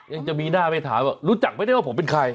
ยังมีหน้าไปถามว่ารู้จักไม่ได้ว่าผมเป็นใคร